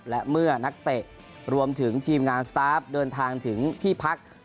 และเมื่อนักเตะรวมถึงทีมงานสตาร์ฟเดินทางถึงที่พัก